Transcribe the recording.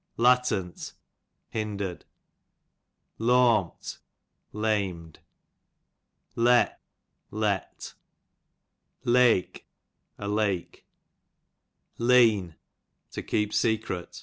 Lattent, hindered* Lawmt, lamed* Le, let. Leach, a lake. Lean, to keep secret. A.